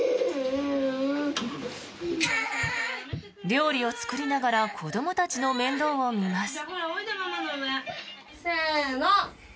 料理を作りながら子どもたちの面倒を見ます。